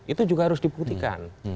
itu juga harus diperhatikan